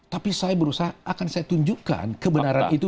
tapi saya berusaha akan saya tunjukkan kebenaran itu